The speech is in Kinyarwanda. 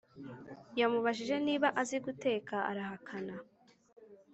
yamubajije niba azi guteka arahakana